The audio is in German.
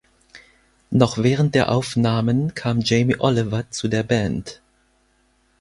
Noch während der Aufnahmen kam Jamie Oliver zu der Band.